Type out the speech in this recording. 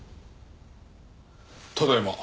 ただいま。